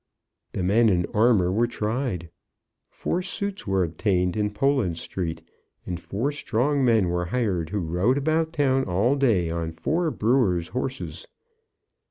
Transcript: The men in armour were tried. Four suits were obtained in Poland Street, and four strong men were hired who rode about town all day on four brewers' horses.